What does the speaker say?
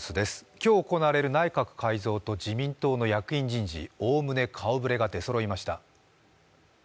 今日行われる内閣改造と自民党の役員人事、おおむね顔ぶれが出そろいました。